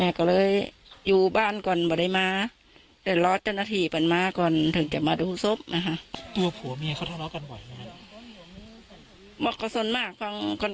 แม่ก็เลยอยู่บ้านก่อนมาได้มาเดินรถจนนาทีปันมาก่อนถึงจะมาดูซ่อมนะคะ